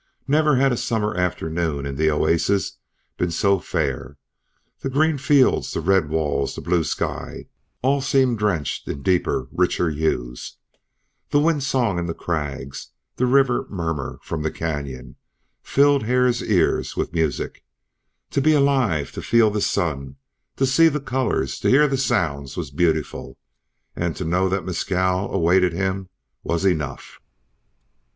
Never had a summer afternoon in the oasis been so fair. The green fields, the red walls, the blue sky, all seemed drenched in deeper, richer hues. The wind song in the crags, the river murmur from the canyon, filled Hare's ears with music. To be alive, to feel the sun, to see the colors, to hear the sounds, was beautiful; and to know that Mescal awaited him, was enough.